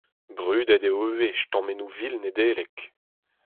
Brudet eo ivez stammennoù vil Nedeleg.